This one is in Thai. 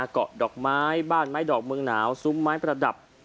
เกาะดอกไม้บ้านไม้ดอกเมืองหนาวซุ้มไม้ประดับ